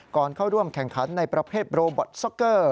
ก่อนเข้าร่วมแข่งขันในประเภทโรบอตซ็อกเกอร์